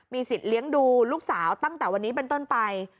สิทธิ์เลี้ยงดูลูกสาวตั้งแต่วันนี้เป็นต้นไป